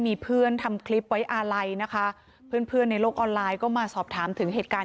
มีเพื่อนทำคลิปไว้อาลัยนะคะเพื่อนเพื่อนในโลกออนไลน์ก็มาสอบถามถึงเหตุการณ์